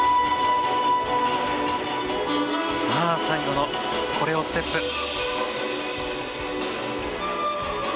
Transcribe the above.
最後の、コレオステップ。